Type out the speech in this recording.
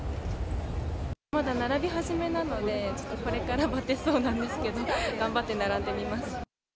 まだ並び始めなので、ちょっとこれからバテそうなんですけど、頑張って並んでみます。